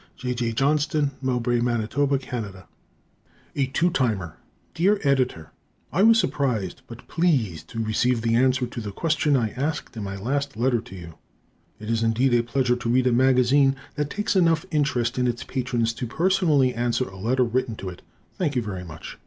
J. J. Johnston, Mowbray, Man., Can. A "Two Timer" Dear Editor: I was surprised but pleased to receive the answer to the question I asked in my letter to you. It is indeed a pleasure to read a magazine that takes enough interest in its patrons to personally answer a letter written to it. Thank you very much.